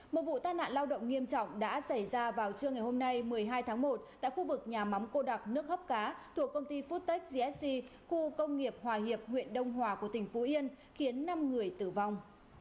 một vụ tai nạn lao động nghiêm trọng đã xảy ra vào trưa ngày hôm nay một mươi hai tháng một tại khu vực nhà mắm cô đặc nước hấp cá thuộc công ty foodtech gsc khu công nghiệp hòa hiệp huyện đông hòa của tỉnh phú yên khiến năm người tử vong